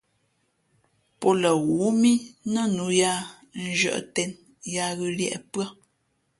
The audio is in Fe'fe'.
Pō lαghoó mí nά nǔ yāā nzhʉ̄ᾱꞌ tēn yáá ghʉ̌ līēʼ pʉ́ά.